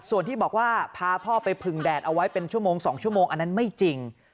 ส่วนที่บอกว่าพาพ่อไปพึงแดดเอาไว้เป็นชั่วโมง๒ชั่วโมงอันนั้นไม่จริง